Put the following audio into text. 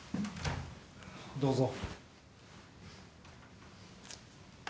どうぞ。